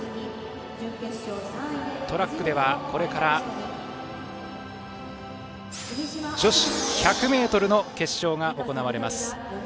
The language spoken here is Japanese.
トラックではこれから女子１００ｍの決勝が行われます。